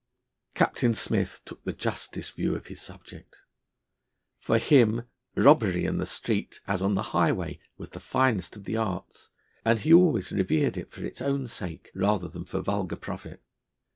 Captain Smith took the justest view of his subject. For him robbery, in the street as on the highway, was the finest of the arts, and he always revered it for its own sake rather than for vulgar profit.